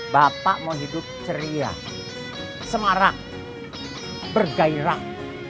bapak mau hidup ceria semarang bergairah